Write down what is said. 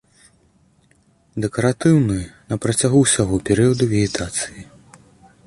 Дэкаратыўны на працягу ўсяго перыяду вегетацыі.